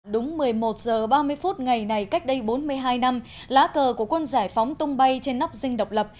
đúng một mươi một h ba mươi phút ngày này cách đây bốn mươi hai năm lá cờ của quân giải phóng tung bay trên nóc dinh độc lập